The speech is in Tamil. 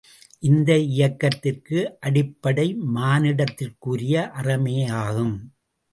இந்த இயக்கத்திற்கு அடிப்படை மானுடத்திற்குரிய அறமேயாகும்.